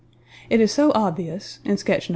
It is so obvious, in sketch No.